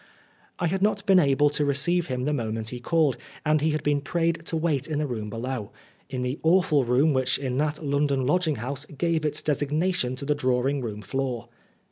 I had not been able to receive him the moment he called, and he had been prayed to wait in the room below in the awful room which in that London lodging house gave its designation to the drawing room floor.